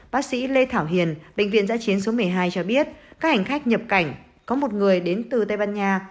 bác sĩ lê thảo hiền bệnh viện giã chiến số một mươi hai cho biết các hành khách nhập cảnh có một người đến từ tây ban nha